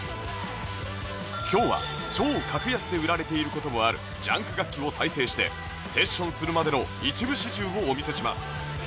今日は超格安で売られている事もあるジャンク楽器を再生してセッションするまでの一部始終をお見せします